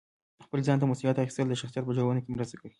خپل ځان ته مسؤلیت اخیستل د شخصیت په جوړونه کې مرسته کوي.